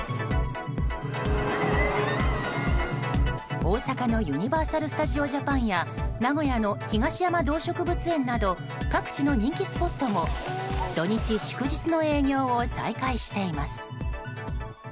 大阪のユニバーサル・スタジオ・ジャパンや名古屋の東山動植物園など各地の人気スポットも土日祝日の営業を再開しています。